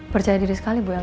percaya diri sekali bu elsa pak